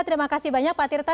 terima kasih banyak pak tirta